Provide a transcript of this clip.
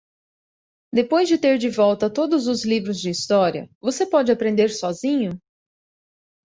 Depois de ter de volta todos os livros de história, você pode aprender sozinho?